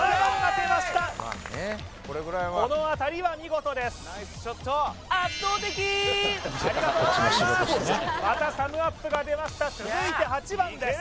このあたりは見事ですありがとうございまーすまたサムアップが出ました続いて８番です